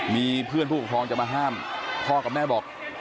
มีเพื่อนผู้ปกครองจะมาห้ามพ่อกับแม่บอก